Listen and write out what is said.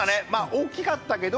大きかったけど。